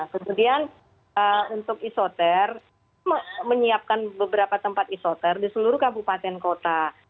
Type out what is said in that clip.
kemudian untuk isoter menyiapkan beberapa tempat isoter di seluruh kabupaten kota